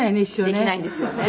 できないんですよね。